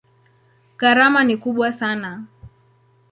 Gharama ni kubwa sana.